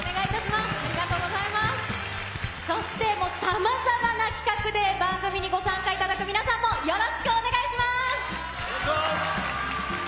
そしてさまざまな企画で番組にご参加いただく皆さんもよろしくお願いします。